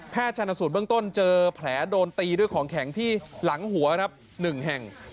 ชาญสูตรเบื้องต้นเจอแผลโดนตีด้วยของแข็งที่หลังหัวครับ๑แห่ง